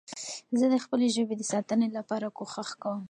زه د خپلي ژبې د ساتنې لپاره کوښښ کوم.